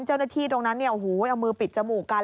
เจ้าหน้าที่ตรงนั้นเอามือปิดจมูกกัน